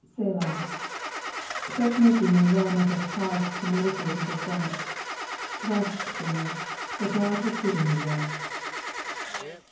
"•^ff^A." Such mercy may well make us pause to meditate and give thanks. Rest, singer, for God has given thee rest